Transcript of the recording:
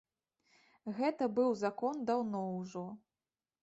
Гэты быў закон даўно ўжо.